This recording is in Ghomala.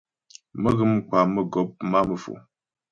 Mə́́ghə̌m kwa mə́gɔ̌p má'a Mefo.